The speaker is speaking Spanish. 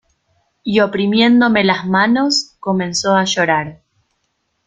y oprimiéndome las manos, comenzó a llorar.